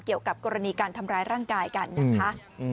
เกี่ยวกับกรณีการทำร้ายร่างกายกันนะคะ